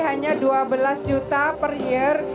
hanya dua belas juta per year